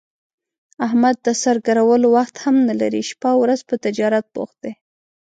احمد د سر ګرولو وخت هم نه لري، شپه اورځ په تجارت بوخت دی.